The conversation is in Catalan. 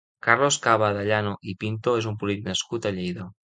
Carlos Cava de Llano i Pinto és un polític nascut a Lleida.